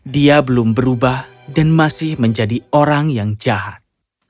dia belum berubah dan masih menjadi orang yang jahat